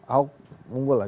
ahok unggul lah